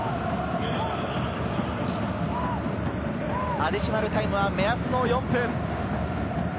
アディショナルタイムは目安の４分。